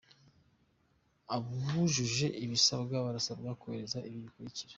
Abujuje ibisabwa , barasabwa kohereza ibi bikurikira :.